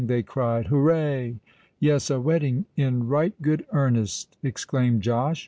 they cried: "hooray!" "Yes—a wedding, in right good earnest!" exclaimed Josh.